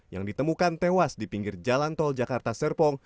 yang ditemukan tewas di pinggir jalan tol jakarta serpong